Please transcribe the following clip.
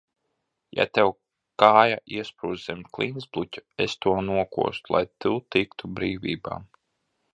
Ja tev kāja iesprūstu zem klintsbluķa, es to nokostu, lai tu tiktu brīvībā.